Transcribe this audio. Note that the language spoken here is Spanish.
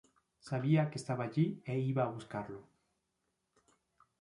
Sabía que estaba allí, e iba a buscarlo.